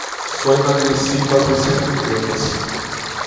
Só emagreci quatrocentos gramas.